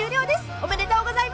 おめでとうございます！］